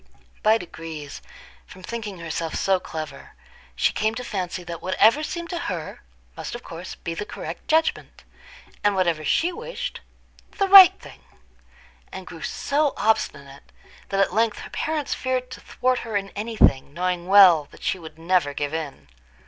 By degrees, from thinking herself so clever, she came to fancy that whatever seemed to her, must of course be the correct judgment, and whatever she wished, the right thing; and grew so obstinate, that at length her parents feared to thwart her in any thing, knowing well that she would never give in.